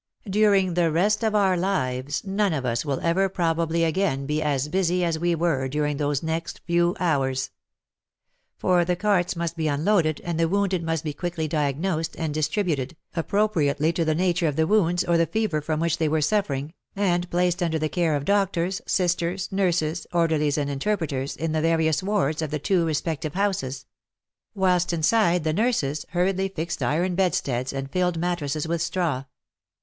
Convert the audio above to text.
During the rest of our lives none of us will ever probably again be as busy " as we were during those next few hours. For the carts must be unloaded and the wounded must be quickly diagnosed and dis tributed, appropriately to the nature of the wounds or the fever from which they were suffering, and placed under the care of doctors, sisters, nurses, orderlies and interpreters, in the various wards of the two respective houses ; whilst inside, the nurses hurriedly fixed iron bedsteads and filled mattresses with straw.